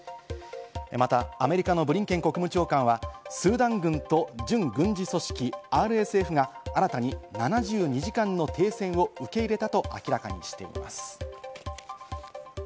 また、アメリカのブリンケン国務長官はスーダン軍と準軍事組織ＲＳＦが新たに７２時間の停戦を受け入れたと明らかにしています。